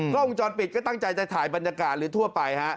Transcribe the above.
กล้องวงจรปิดก็ตั้งใจจะถ่ายบรรยากาศหรือทั่วไปฮะ